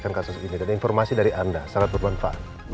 dan kamu pikir saya percaya